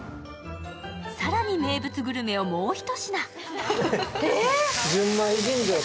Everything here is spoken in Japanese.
更に名物グルメをもう一品。